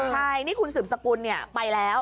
ใช่นี่คุณสืบสกุลไปแล้ว